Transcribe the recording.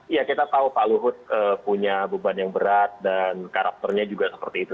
ya kita tahu pak luhut punya beban yang berat dan karakternya juga seperti itu